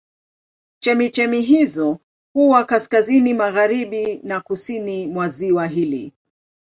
Chemchemi hizo huwa kaskazini magharibi na kusini mwa ziwa hili.